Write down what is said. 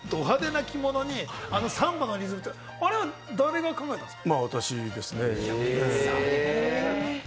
ど派手な着物にあのサンバのリズム、誰が考えたんですか？